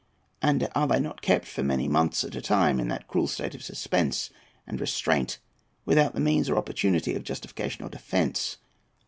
And are they not kept for many months at a time in that cruel state of suspense and restraint without the means or opportunity of justification or defence?